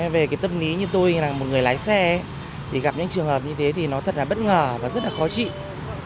về cái tâm lý như tôi là một người lái xe thì gặp những trường hợp như thế thì nó thật là bất ngờ và rất là khó chịu